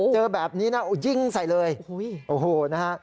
เจอแบบนี้นะยิงใส่เลยโอ้โหนะฮะ